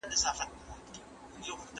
له ټول وطن څخه یو کلی بختور نه لري